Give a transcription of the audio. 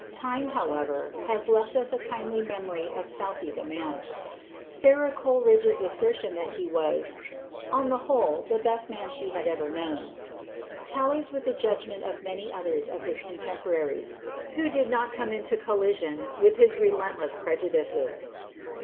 Time, however, has left us a kindly memory of Southey the man. Sara Coleridge's assertion that he was "on the whole the best man she had ever known," tallies with the judgment of many others of his contemporaries who did not come into collision with his relentless prejudices.